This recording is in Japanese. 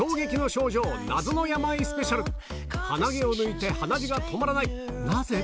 鼻毛を抜いて鼻血が止まらないなぜ？